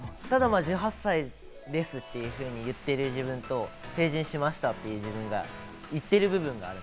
ただまぁ、１８歳ですっていうふうに言ってる自分と、成人しましたという自分が言ってる部分がある。